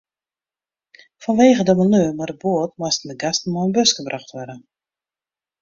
Fanwegen de maleur mei de boat moasten de gasten mei in buske brocht wurde.